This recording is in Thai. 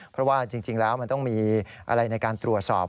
เพราะว่าจริงแล้วมันต้องมีอะไรในการตรวจสอบ